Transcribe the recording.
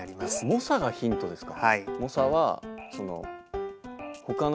モサがヒントですか？